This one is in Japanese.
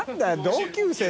同級生？